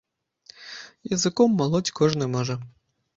Языком малоць кожны можа!